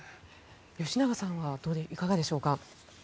吉永さんはいかがでしょうか。